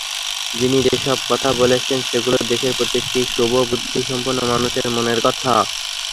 তিনি যেসব কথা বলেছেন, সেগুলো দেশের প্রতিটি শুভবুদ্ধিসম্পন্ন মানুষের মনের কথা।